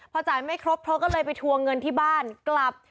พอจ่ายไม่ครบเธอก็เลยไปทวงเงินที่บ้านกลับ